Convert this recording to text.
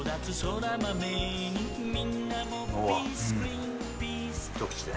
おお一口で。